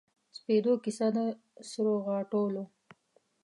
سپیدو کیسه د سروغاټولو